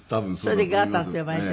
それで「があさん」って呼ばれて。